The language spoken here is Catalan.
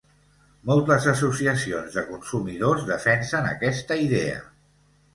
Moltes associacions de consumidors defensen aquesta idea.